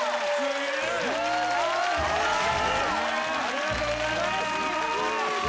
ありがとうございます。